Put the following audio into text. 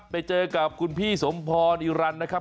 ไปเจอกับคุณพี่สมพรอีรันดินะครับ